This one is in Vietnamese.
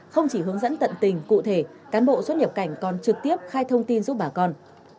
không chỉ hướng dẫn tận tình cụ thể cán bộ xuất nhập cảnh còn trực tiếp khai thông tin giúp bà con